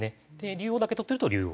竜王だけ取ってると「竜王」